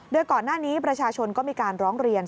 โดยก่อนหน้านี้ประชาชนก็มีการร้องเรียน